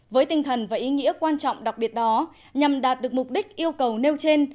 với tinh thần và ý nghĩa quan trọng đặc biệt đó nhằm đạt được mục đích yêu cầu nêu trên